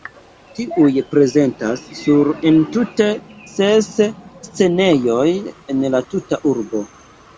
Tiuj prezentas sur entute ses scenejoj en la tuta urbo.